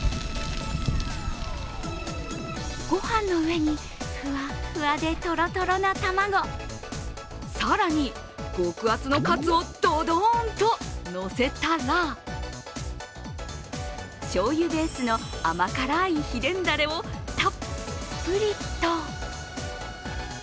ご飯の上にふわっふわでとろとろな卵、更に極厚のカツをどどーんと乗せたら、しょうゆベースの甘辛い秘伝ダレをたっぷりと。